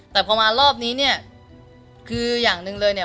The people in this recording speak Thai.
แต่พอมารอบนี้เนี่ยคืออย่างหนึ่งเลยเนี่ย